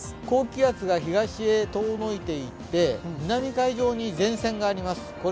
高気圧が東へ遠のいていって、南海上に前線があります。